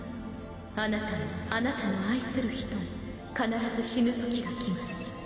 あなたもあなたの愛する人も必ず死ぬときが来ます。